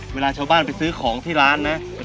เวลาชาวบ้านไปซื้อของที่ร้านนะ